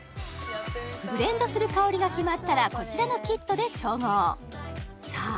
ブレンドする香りが決まったらこちらのキットで調合さあ